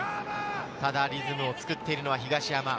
ただリズムをつくっているのは東山。